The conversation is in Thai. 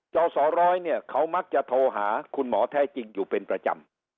สสร้อยเนี่ยเขามักจะโทรหาคุณหมอแท้จริงอยู่เป็นประจำ